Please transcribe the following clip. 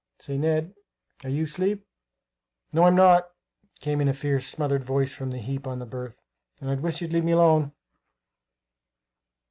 "Say, Ned, are you 'sleep?" "No, I'm not," came in a fierce, smothered voice from the heap on the berth, "and I wish you'd leave me alone!"